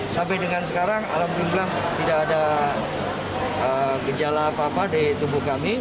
sampai dengan sekarang alhamdulillah tidak ada gejala apa apa di tubuh kami